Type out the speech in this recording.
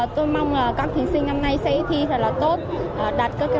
tôi mong các thí sinh năm nay sẽ thi rất là tốt đạt kết quả tốt nhất